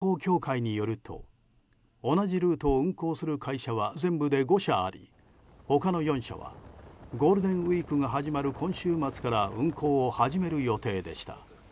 斜里町観光協会によると同じルートを運航する会社は全部で５社あり、他の４社はゴールデンウィークが始まる今週末から運航を始める予定でした。